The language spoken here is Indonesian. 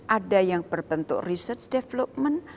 ada yang berbentuk research development